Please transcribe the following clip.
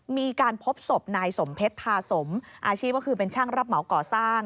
มีการพบศพนายสมเพชรทาสมอาชีพก็คือเป็นช่างรับเหมาก่อสร้าง